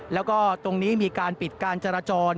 แล้วก็ตรงนี้มีการปิดการจราจร